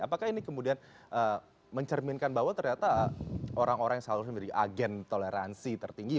apakah ini kemudian mencerminkan bahwa ternyata orang orang yang selalu menjadi agen toleransi tertinggi